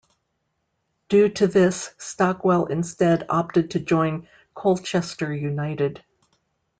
Due to this Stockwell instead opted to join Colchester United.